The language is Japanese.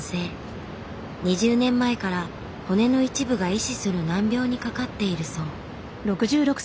２０年前から骨の一部が壊死する難病にかかっているそう。